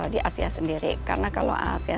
di asia sendiri karena kalau asean